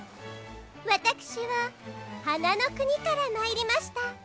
わたくしははなのくにからまいりました